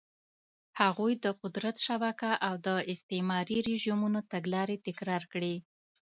هغوی د قدرت شبکه او د استعماري رژیمونو تګلارې تکرار کړې.